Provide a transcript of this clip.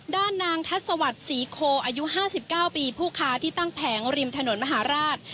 ด้านนางทัศวรรษศรีโคอายุ๕๙ปีผู้ค้าที่ตั้งแผงริมถนนมหาราช